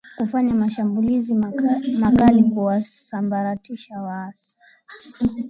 kufanya mashambulizi makali kuwasambaratisha waasi